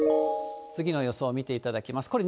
次の予想を見ていただきます。